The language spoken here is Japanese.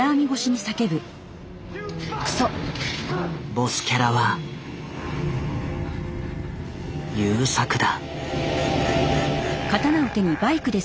ボスキャラは優作だ。